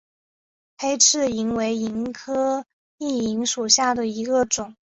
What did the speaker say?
黑翅萤为萤科熠萤属下的一个种。